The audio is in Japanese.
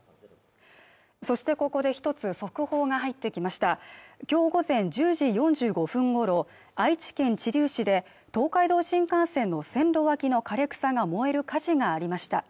そしてここで１つ速報が入ってきました今日午前１０時４５分ごろ愛知県知立市で東海道新幹線の線路脇の枯れ草が燃える火事がありました